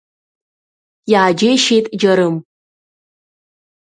Иааџьеишьеит Џьарым.